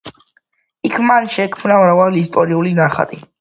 იქ მან შექმნა მრავალი ისტორიული ნახატი.